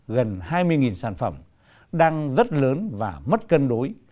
gần hai mươi sản phẩm đang rất lớn và mất cân đối